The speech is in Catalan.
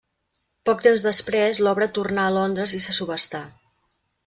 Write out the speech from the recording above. Poc temps després, l’obra tornà a Londres i se subhastà.